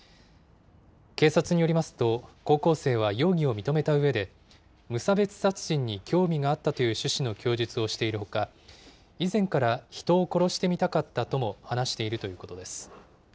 警察によりますと、高校生は容疑を認めたうえで、無差別殺人に興味があったという趣旨の供述をしているほか、以前から人を殺してみたかったとも話しているということです。